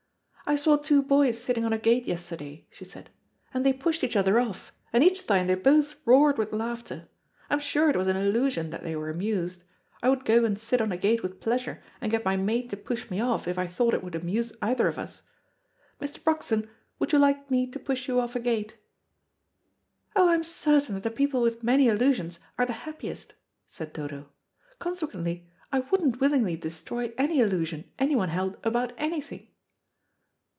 "I saw two boys sitting on a gate yesterday," she said, "and they pushed each other off, and each time they both roared with laughter. I'm sure it was an illusion that they were amused. I would go and sit on a gate with pleasure and get my maid to push me off, if I thought it would amuse either of us. Mr. Broxton, would you like me to push you off a gate?" "Oh, I'm certain that the people with many illusions are the happiest," said Dodo. "Consequently, I wouldn't willingly destroy any illusion anyone held about anything."